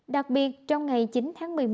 đặc biệt trong ngày chín tháng một mươi một